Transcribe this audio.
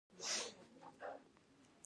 د دې ساتنه زموږ دنده ده